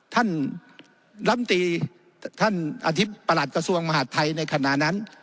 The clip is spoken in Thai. ท่านลำตีท่านอธิบประหลัดกระทรวงมหาดไทยในขณะนั้น